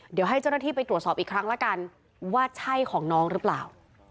เดี๋ยวให้เจ้าหน้าที่ไปตรวจสอบอีกครั้งละกันว่าใช่ของน้องหรือเปล่า